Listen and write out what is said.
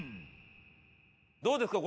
どうですか？